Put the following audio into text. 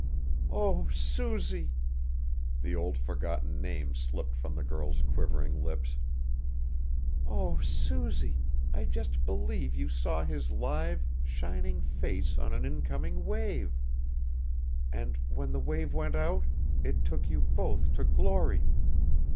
"Oh! Susy," the old forgotten name slipped from the girl's quivering lips. "Oh! Susy, I just believe you saw his live, shining face on an incoming wave! And when the wave went out, it took you both to glory!